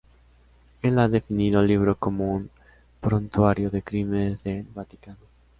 Él ha definido el libro como un prontuario de crímenes del Vaticano.